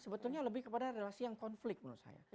sebetulnya lebih kepada relasi yang konflik menurut saya